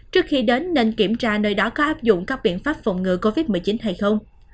trước khi đến nên kiểm tra nơi đó có áp dụng các biện pháp phòng ngừa covid một mươi chín hay không